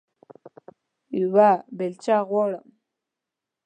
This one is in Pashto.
یوه بیلچه غواړم